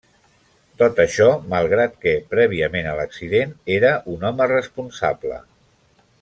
Tot això malgrat que prèviament a l'accident era un home responsable.